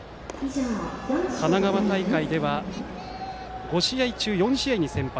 神奈川大会では５試合中４試合に先発。